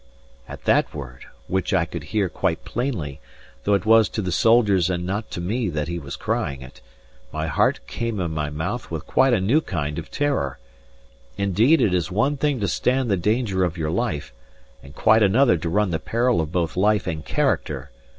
At that word (which I could hear quite plainly, though it was to the soldiers and not to me that he was crying it) my heart came in my mouth with quite a new kind of terror. Indeed, it is one thing to stand the danger of your life, and quite another to run the peril of both life and character.